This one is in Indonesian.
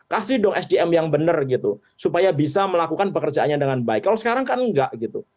kalau sekarang kan enggak gitu